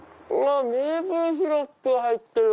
メープルシロップが入ってる！